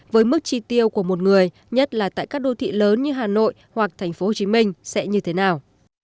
với mức chi tiêu của một người nhất là tại các đô thị lớn như hà nội hoặc tp hcm sẽ như thế nào